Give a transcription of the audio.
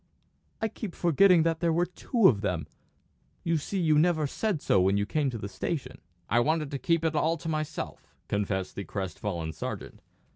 I keep forgetting there were two of them; you see you never said so when you came to the station." "I wanted to keep it all to myself," confessed the crest fallen sergeant.